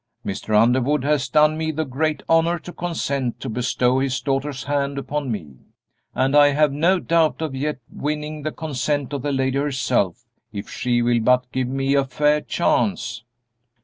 Mr. Underwood has done me the great honor to consent to bestow his daughter's hand upon me, and I have no doubt of yet winning the consent of the lady herself if she will but give me a fair chance."